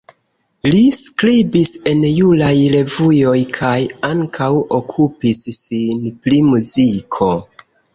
Li skribis en juraj revuoj kaj ankaŭ okupis sin pri muziko.